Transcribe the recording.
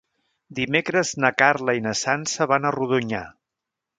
Dimecres na Carla i na Sança van a Rodonyà.